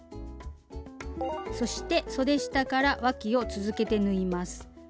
そしてそで下からわきを続けて縫います。